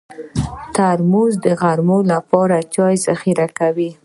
ترموز د غرمو لپاره چای ذخیره کوي.